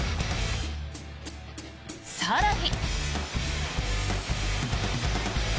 更に。